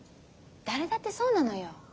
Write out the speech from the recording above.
誰だってそうなのよ。